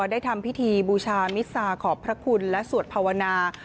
ได้ทำพิธีบูชามิซาขอบพระคุณและสวดภาวนา